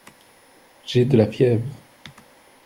J’ai de la fièvre.